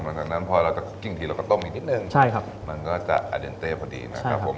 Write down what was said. หลังจากนั้นพอเราจะกิ้งทีเราก็ต้มอีกนิดนึงใช่ครับมันก็จะอเดนเต้พอดีนะครับผม